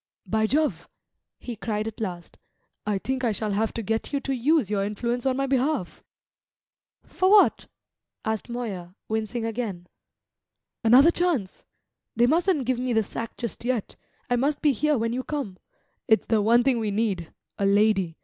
"By Jove," he cried at last, "I think I shall have to get you to use your influence on my behalf!" "For what?" asked Moya, wincing again. "Another chance! They mustn't give me the sack just yet I must be here when you come. It's the one thing we need a lady.